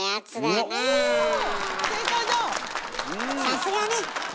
さすがね！